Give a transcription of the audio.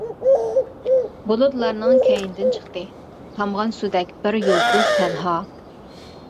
بۇلۇتلارنىڭ كەينىدىن چىقتى، تامغان سۇدەك بىر يۇلتۇز تەنھا.